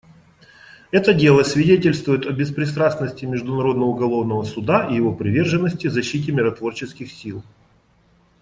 Это дело свидетельствует о беспристрастности Международного уголовного суда и его приверженности защите миротворческих сил.